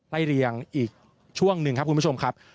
เรียงอีกช่วงหนึ่งครับคุณผู้ชมครับ